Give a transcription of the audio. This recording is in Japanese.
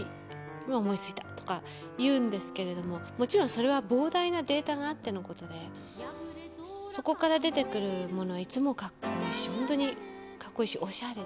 「今思いついた」とか言うんですけれどももちろんそれは膨大なデータがあってのことでそこから出てくるものはいつもかっこいいしほんとにかっこいいしおしゃれだし。